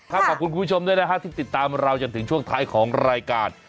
ขอบคุณคุณผู้ชมด้วยนะฮะที่ติดตามเราจนถึงช่วงท้ายของรายการ